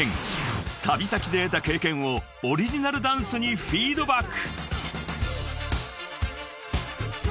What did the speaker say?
［旅先で得た経験をオリジナルダンスにフィードバック！］